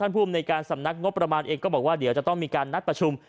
ภูมิในการสำนักงบประมาณเองก็บอกว่าเดี๋ยวจะต้องมีการนัดประชุม